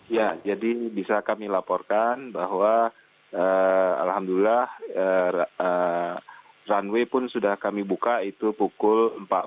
ya jadi bisa kami laporkan bahwa alhamdulillah runway pun sudah kami buka itu pukul empat belas